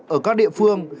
ở các địa phương